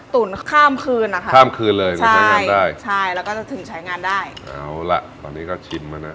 ตุ๋นข้ามคืนนะคะข้ามคืนเลยใช้งานได้ใช่แล้วก็จะถึงใช้งานได้เอาล่ะตอนนี้ก็ชิมมานะ